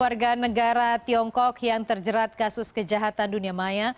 warga negara tiongkok yang terjerat kasus kejahatan dunia maya